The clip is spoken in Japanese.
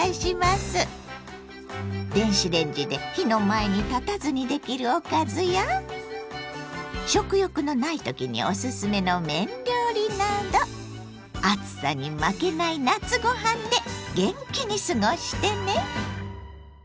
電子レンジで火の前に立たずにできるおかずや食欲のない時におすすめの麺料理など暑さに負けない夏ご飯で元気に過ごしてね！